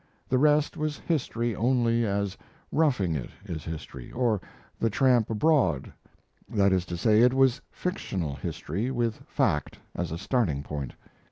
The rest was history only as 'Roughing It' is history, or the 'Tramp Abroad'; that is to say, it was fictional history, with fact as a starting point.